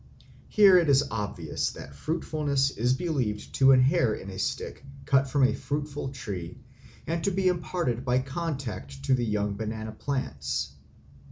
Here it is obvious that fruitfulness is believed to inhere in a stick cut from a fruitful tree and to be imparted by contact to the young banana plants.